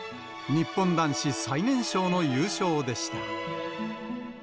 日本男子最年少の優勝でした。